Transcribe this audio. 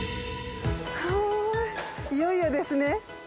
はぁいよいよですね！